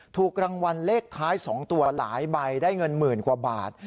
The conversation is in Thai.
ถูกรางวัลเลขท้าย๒ตัวหลายใบได้เงินหมื่นกว่าบาท